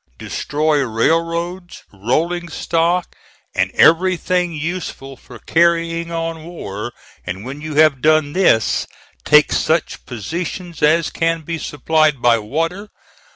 Destroy railroads, rolling stock, and everything useful for carrying on war, and, when you have done this, take such positions as can be supplied by water.